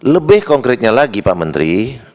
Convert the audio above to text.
lebih konkretnya lagi pak menteri